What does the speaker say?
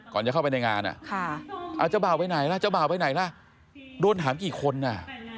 ก่อนจะเข้าไปในงานน่ะอ่ะเจ้าเบาไปไหนล่ะเจ้าเบาไปไหนล่ะโดนถามกี่คนน่ะ